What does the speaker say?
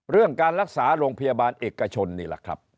เรื่องการรักษาโรงพยาบาลเอกชนนี่แหละครับ